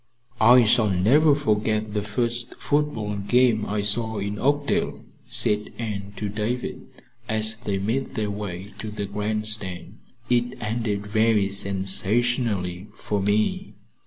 "I shall never forget the first football game I saw in Oakdale," said Anne to David as they made their way to the grandstand. "It ended very sensationally for me."